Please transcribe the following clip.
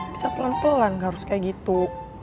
bisa pelan pelan harus kayak gitu